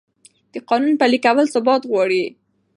د قانون پلي کول ثبات غواړي